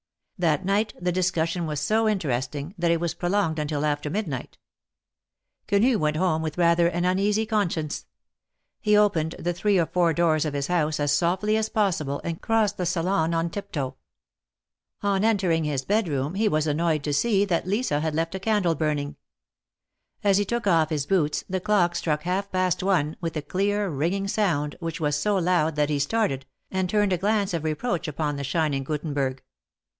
That night the discussion was so interesting that it was prolonged until after midnight. Quenu went home with rather an uneasy conscience. He opened the three or four doors of his house as softly as possible, and crossed the salon on tiptoe. On entering his bed room he was annoyed to see that Lisa had left a THE MARKETS OF PARIS. 177 candle burning. As he took off his boots the clock struck half past one, with a clear, ringing sound, which was so loud that he started, and turned a glance of reproach upon the shining Guttenberg.